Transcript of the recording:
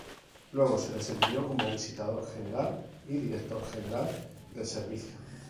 Luego, se desempeñó como Visitador General y Director General del Servicio.